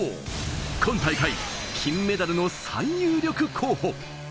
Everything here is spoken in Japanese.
今大会金メダルの最有力候補。